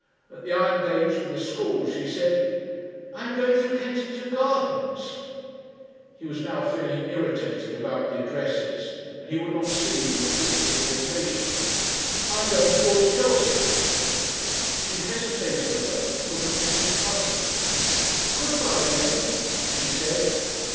At the iron gates of the Schools she said: "I am going through Kensington Gardens." He was now feeling irritated about the addresses, and he would not see the implicit invitation. "I am going towards Chelsea." She hesitated a moment, looking at him puzzled. "Good bye, then," she said.